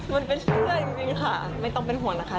มันเป็นเสื้อจริงค่ะไม่ต้องเป็นห่วงนะคะ